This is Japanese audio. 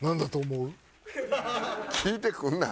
聞いてくるな。